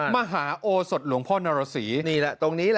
มหาโอสดหลวงพ่อนรษี